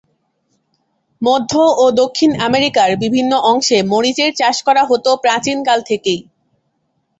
মধ্য ও দক্ষিণ আমেরিকার বিভিন্ন অংশে মরিচের চাষ করা হতো প্রাচীন কাল থেকেই।